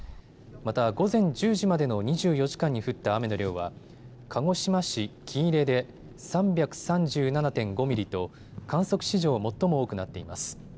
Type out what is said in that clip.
また午前１０時までの２４時間に降った雨の量は鹿児島市喜入で３３７．５ミリと観測史上最も多くなっています。